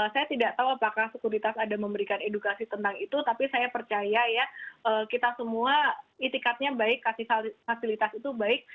saya tidak tahu apakah sekuritas ada memberikan edukasi tentang itu tapi saya percaya ya kita semua itikatnya baik kasih fasilitas itu baik